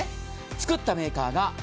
作ったメーカーが。